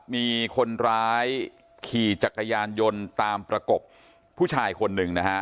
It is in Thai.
มีคนร้ายขี่จักรยานยนต์ตามประกบผู้ชายคนหนึ่งนะฮะ